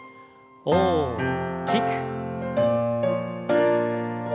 大きく。